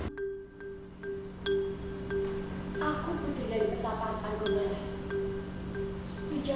aku butuh dari bapak bapak gue